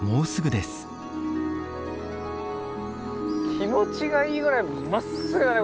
気持ちがいいぐらいまっすぐだね